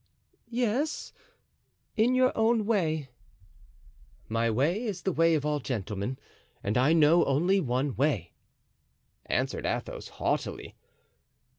"Yes, in your own way." "My way is the way of all gentlemen, and I know only one way," answered Athos, haughtily.